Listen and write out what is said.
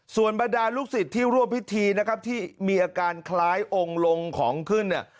ส่วนบรรดาลูกศิษย์ที่ร่วมพิธีนะครับที่มีอาการคล้ายองค์ลงของขึ้นเนี่ย